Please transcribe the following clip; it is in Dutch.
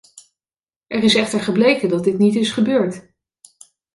Er is echter gebleken dat dit niet is gebeurd.